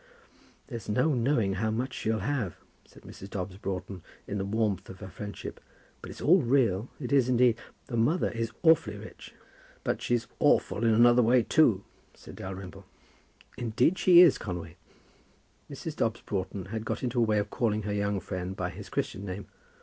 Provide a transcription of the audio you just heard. "There's no knowing how much she'll have," said Mrs. Dobbs Broughton, in the warmth of her friendship. "But it's all real. It is, indeed. The mother is awfully rich." "But she's awful in another way, too," said Dalrymple. "Indeed she is, Conway." Mrs. Dobbs Broughton had got into a way of calling her young friend by his Christian name.